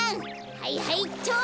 はいはいっちょ！